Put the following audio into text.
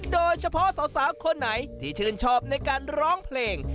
โดยเฉพาะสาวคนไหนที่ชื่นชอบในการร้องเพลง